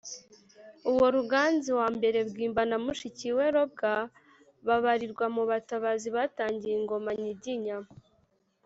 Uwo Ruganzu I Bwimba na mushiki we Robwa babarirwa mu batabazi bitangiye ingoma nyiginya.